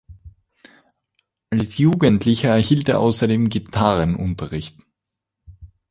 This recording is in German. Als Jugendlicher erhielt er außerdem Gitarrenunterricht.